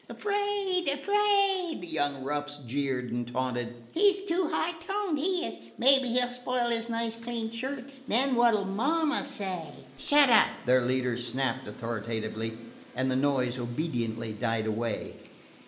"Afraid! afraid!" the young roughs jeered and taunted. "He 's too high toned, he is! Mebbe he 'll spoil his nice clean shirt, and then what 'll mama say?" "Shut up!" their leader snapped authoritatively, and the noise obediently died away.